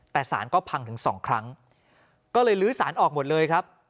แต่สารก็พังถึงสองครั้งก็เลยลื้อสารออกหมดเลยครับ